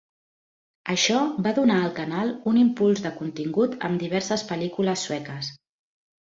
Això va donar al canal un impuls de contingut amb diverses pel·lícules sueques.